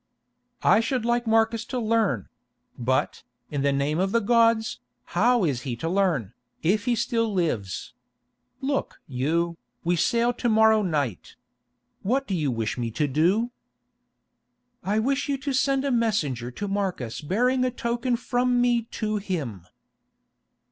"I should like Marcus to learn—but, in the name of the gods—how is he to learn, if he still lives? Look you, we sail to morrow night. What do you wish me to do?" "I wish you to send a messenger to Marcus bearing a token from me to him."